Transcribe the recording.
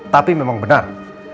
tapi memang benar